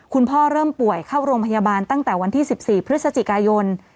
เริ่มป่วยเข้าโรงพยาบาลตั้งแต่วันที่๑๔พฤศจิกายน